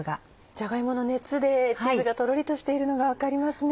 じゃが芋の熱でチーズがとろりとしているのが分かりますね。